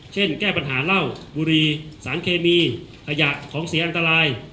แก้ปัญหาเหล้าบุรีสารเคมีขยะของเสียอันตราย